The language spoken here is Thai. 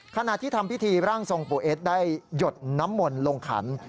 ขณะที่ทำพิธีร่างทรงปู่เอสได้หยดน้ำมนต์ลงขัน